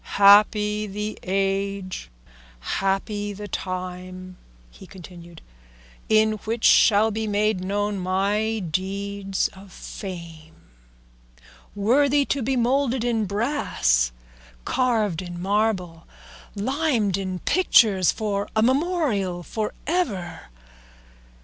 "Happy the age, happy the time," he continued, "in which shall be made known my deeds of fame, worthy to be moulded in brass, carved in marble, limned in pictures, for a memorial for ever.